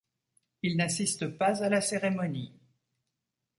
Il n'assiste pas à la cérémonie.